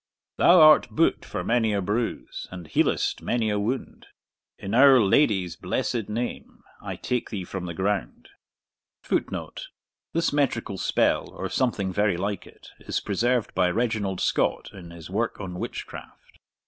Thou art boot for many a bruise, And healest many a wound; In our Lady's blessed name, I take thee from the ground. [Footnote: This metrical spell, or something very like it, is preserved by Reginald Scott in his work on Witchcraft.